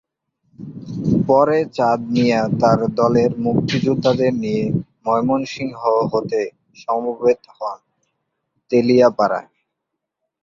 পরে চাঁদ মিয়া তার দলের মুক্তিযোদ্ধাদের নিয়ে ময়মনসিংহ হয়ে সমবেত হন তেলিয়াপাড়ায়।